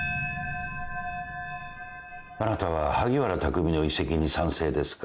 あなたは萩原匠の移籍に賛成ですか？